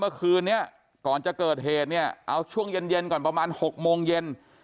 เมื่อคืนนี้ก่อนจะเกิดเหตุเนี่ยเอาช่วงเย็นเย็นก่อนประมาณ๖โมงเย็น